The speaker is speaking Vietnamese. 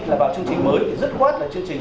là vào chương trình mới dứt khoát là chương trình